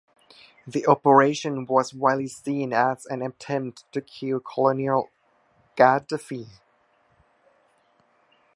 The operation was widely seen as an attempt to kill Colonel Gaddafi.